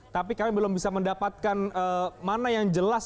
tapi kami belum bisa mendapatkan mana yang jelas